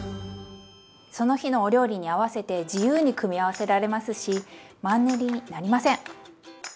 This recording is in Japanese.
その日のお料理に合わせて自由に組み合わせられますしマンネリになりません！